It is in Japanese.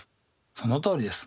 そのとおりです。